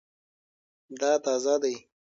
دا تازه دی